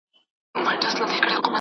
سیاست ځواک او قدرت ته اړتیا نه درلوده.